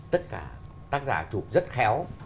tất cả tác giả chụp rất khéo